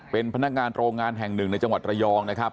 เป็นพนักงานโรงงานแห่งหนึ่งในจังหวัดระยองนะครับ